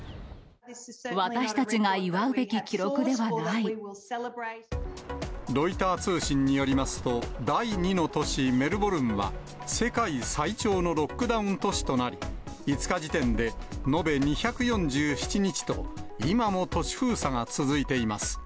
私たちが祝うべき記録ではなロイター通信によりますと、第２の都市メルボルンは、世界最長のロックダウン都市となり、５日時点で延べ２４７日と、今も都市封鎖が続いています。